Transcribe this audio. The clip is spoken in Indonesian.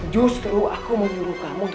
justru aku mau nyuruh kamu